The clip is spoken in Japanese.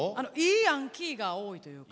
いいヤンキーが多いというか。